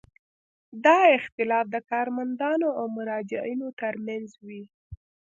دا اختلاف د کارمندانو او مراجعینو ترمنځ وي.